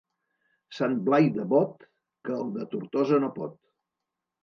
Sant Blai de Bot, que el de Tortosa no pot.